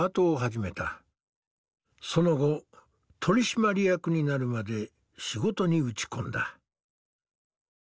その後取締役になるまで仕事に打ち込んだ。